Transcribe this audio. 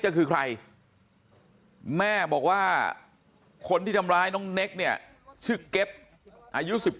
ก็คือใครแม่บอกว่าคนที่ทำร้ายน้องเน็กเนี่ยชื่อเก็ตอายุ๑๙